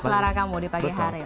selera kamu di pagi hari